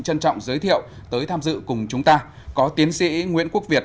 xin chân trọng giới thiệu tới tham dự cùng chúng ta có tiến sĩ nguyễn quốc việt